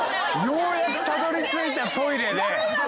ようやくたどりついたトイレで。